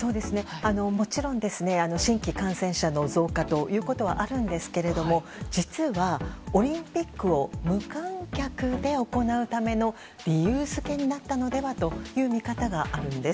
もちろん新規感染者の増加ということはあるんですが実は、オリンピックを無観客で行うための理由付けになったのではという見方があるんです。